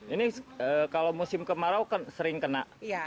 ini kalau musim kemarau kan sering kena